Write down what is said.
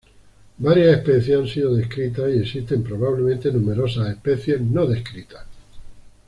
Varias especies han sido descritas y existen probablemente numerosas especies no descritas.